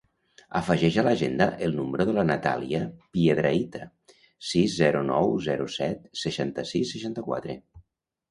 Afegeix a l'agenda el número de la Natàlia Piedrahita: sis, zero, nou, zero, set, seixanta-sis, seixanta-quatre.